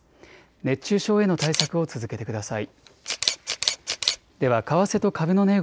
熱中症への対策を続けてください。